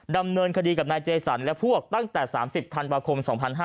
ดำเนินคดีกับนายเจสันและพวกตั้งแต่๓๐ธันวาคม๒๕๕๙